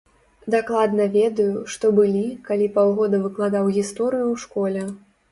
Дакладна ведаю, што былі, калі паўгода выкладаў гісторыю ў школе.